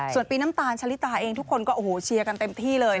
ส่วนปีน้ำตาลชะลิตาเองทุกคนก็โอ้โหเชียร์กันเต็มที่เลย